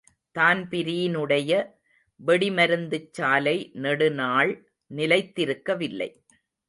தான்பிரீனுடைய வெடிமருந்துச்சாலை நெடுநாள் நிலைத்திருக்கவில்லை.